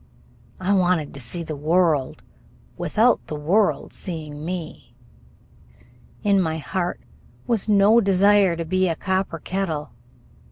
I wanted to see the world without the world seeing me. In my heart was no desire to be a copper kettle.